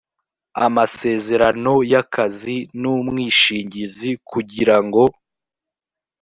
amasezerano y’akazi n’umwishingizi kugira ngo